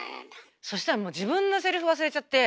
そしたら自分のセリフ忘れちゃって。